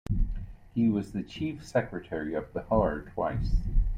He was the chief secretary of Bihar twice.